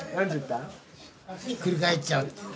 ひっくり返っちゃうっていう。